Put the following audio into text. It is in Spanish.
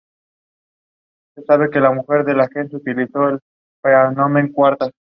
Abril seguido en los últimos años los cambios en la sociedad brasileña.